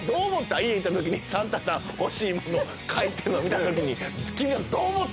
家行ったときにサンタさん欲しいもの書いてるの見たときに君はどう思った？